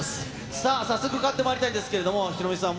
さあ、早速伺ってまいりたいんですけれども、ヒロミさん、